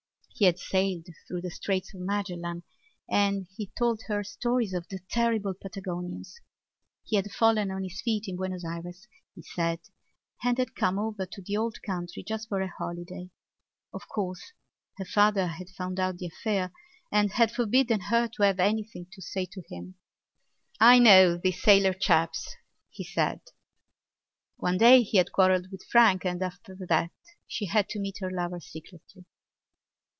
He had sailed through the Straits of Magellan and he told her stories of the terrible Patagonians. He had fallen on his feet in Buenos Ayres, he said, and had come over to the old country just for a holiday. Of course, her father had found out the affair and had forbidden her to have anything to say to him. "I know these sailor chaps," he said. One day he had quarrelled with Frank and after that she had to meet her lover secretly.